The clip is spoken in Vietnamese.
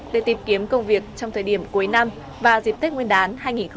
để tìm kiếm công việc trong thời điểm cuối năm và dịp tết nguyên đán hai nghìn hai mươi